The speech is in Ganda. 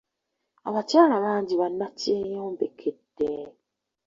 Abakyala bangi bannakyeyombekedde.